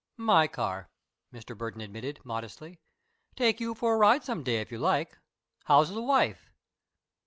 "My car," Mr. Burton admitted, modestly. "Take you for a ride some day, if you like. How's the wife?"